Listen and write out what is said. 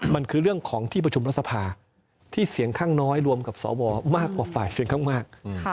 มันคือเรื่องของที่ประชุมรัฐสภาที่เสียงข้างน้อยรวมกับสวมากกว่าฝ่ายเสียงข้างมาก